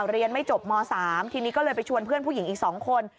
เรียนไม่จบม๓ทีนี้ก็เลยไปชวนเพื่อนผู้หญิงอีก๒คน